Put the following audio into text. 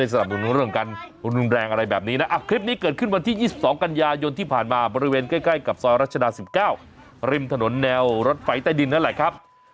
สุดท้ายมันนัดตบตีกันแบบเนี่ยครับ